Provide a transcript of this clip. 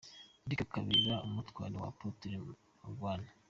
Eric Kabera umutware wa Apotre Mignonne.